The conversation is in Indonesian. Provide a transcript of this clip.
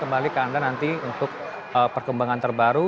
kembali ke anda nanti untuk perkembangan terbaru